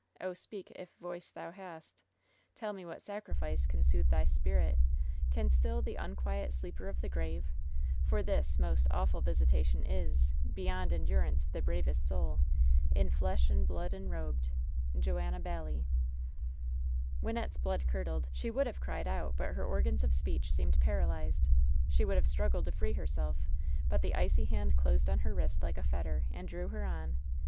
Oh, speak if voice thou hast I Tell me what sacrifice can soothe thy spirit^ Can still the unquiet sleeper of the grave; For this most awful visitation is Beyond endurance of the bravest soul In flesh and blood enrobed. — Joanna Baillib. Wynnettb's blood curdled. She would have cried out, but her organs of speech seemed paralyzed. She would have struggled to free herself, but the icy hand closed on her wrist like a fetter, and drew her on.